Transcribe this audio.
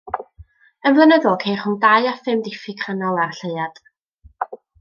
Yn flynyddol ceir rhwng dau a phum diffyg rhannol ar y lleuad.